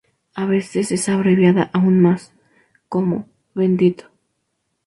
A veces es abreviada aún más, como "¡Bendito!